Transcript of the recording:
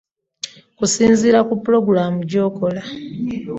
Kusinziira ku pulogulaamu gy'okola.